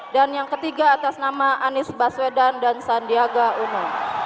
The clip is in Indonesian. dan yang ketiga atas nama anis baswedan dan sandiaga uno